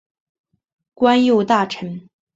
官右大臣。